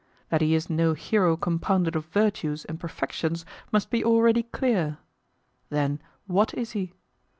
That he is no hero compounded of virtues and perfections must be already clear. Then WHAT is he?